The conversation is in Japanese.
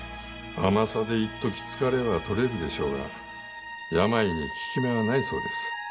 甘さでいっとき疲れは取れるでしょうが病に効き目はないそうです。